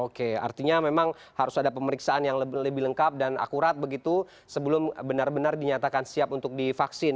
oke artinya memang harus ada pemeriksaan yang lebih lengkap dan akurat begitu sebelum benar benar dinyatakan siap untuk divaksin